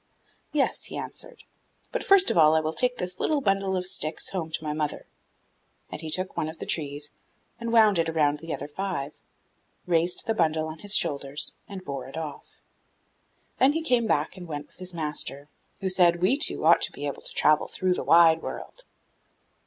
'Yes,' he answered; 'but first of all I will take this little bundle of sticks home to my mother,' and he took one of the trees and wound it round the other five, raised the bundle on his shoulders and bore it off. Then he came back and went with his master, who said, 'We two ought to be able to travel through the wide world!